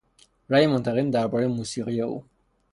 رای منتقدین دربارهی موسیقی او